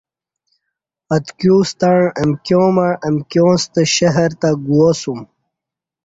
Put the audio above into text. اتکیوستݩع امکیاں مع امکیاں ستہ شہر تہ گوواسوم